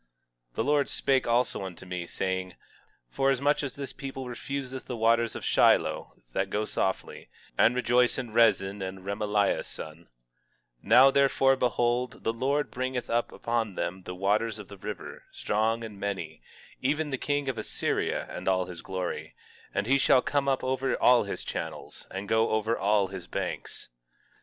18:5 The Lord spake also unto me again, saying: 18:6 Forasmuch as this people refuseth the waters of Shiloah that go softly, and rejoice in Rezin and Remaliah's son; 18:7 Now therefore, behold, the Lord bringeth up upon them the waters of the river, strong and many, even the king of Assyria and all his glory; and he shall come up over all his channels, and go over all his banks.